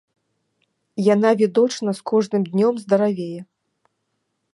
Яна відочна з кожным днём здаравее.